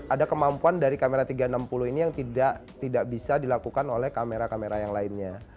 ada kemampuan dari kamera tiga ratus enam puluh ini yang tidak bisa dilakukan oleh kamera kamera yang lainnya